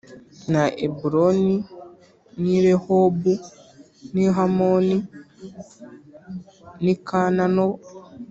na Eburoni n i Rehobu n i Hamoni n i Kana no